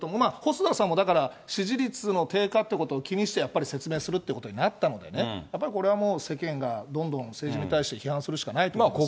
細田さんも、だから支持率の低下ってことを気にして、やっぱり説明するということになったんでね、やっぱりこれはもう、世間がどんどん政治に対して批判するしかないと思いますけど。